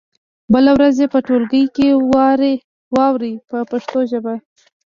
بله ورځ یې په ټولګي کې واورئ په پښتو ژبه.